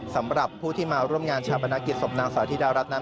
สำหรับผู้ที่มาร่วมงานชาปนกิจศพนางสาวธิดารัฐนั้น